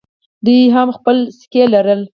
دوی هم خپلې سکې لرلې